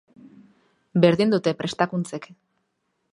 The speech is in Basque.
Berdin dute prestakuntzek.